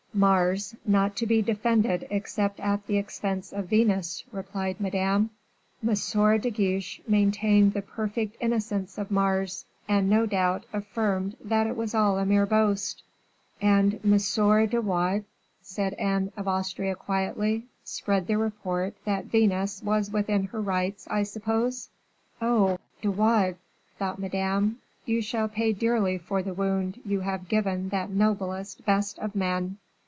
"Mars, not to be defended except at the expense of Venus," replied Madame. "M. de Guiche maintained the perfect innocence of Mars, and no doubt affirmed that it was all a mere boast." "And M. de Wardes," said Anne of Austria, quietly, "spread the report that Venus was within her rights, I suppose?" "Oh, De Wardes," thought Madame, "you shall pay dearly for the wound you have given that noblest best of men!"